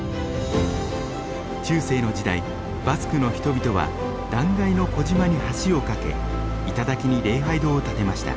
バスクの人々は断崖の小島に橋を架け頂に礼拝堂を建てました。